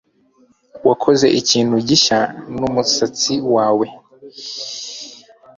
Wakoze ikintu gishya numusatsi wawe